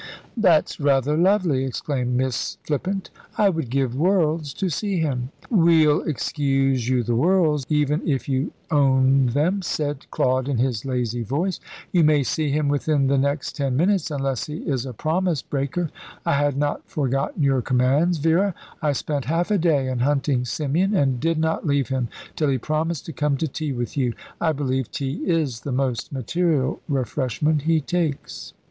"That's rather lovely!" exclaimed Miss Flippant. "I would give worlds to see him." "We'll excuse you the worlds, even if you owned them," said Claude in his lazy voice. "You may see him within the next ten minutes, unless he is a promise breaker. I had not forgotten your commands, Vera. I spent half a day in hunting Symeon, and did not leave him till he promised to come to tea with you. I believe tea is the most material refreshment he takes."